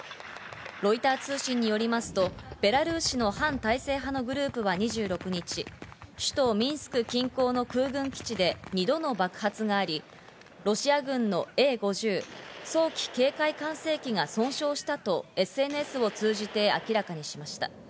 ロイター通信によりますと、ベラルーシの反体制派のグループは２６日、首都ミンスク近郊の空軍基地で２度の爆発があり、ロシア軍のＡ−５０、早期警戒管制機が損傷したとＳＮＳを通じて明らかにしました。